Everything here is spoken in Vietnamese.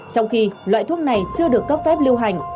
trong khi loại thuốc này chưa được cấp phép lưu hành